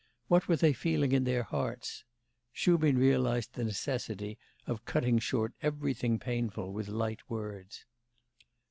what were they feeling in their hearts? Shubin realised the necessity of cutting short everything painful with light words.